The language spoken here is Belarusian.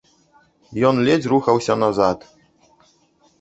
Ён ледзь рухаўся назад.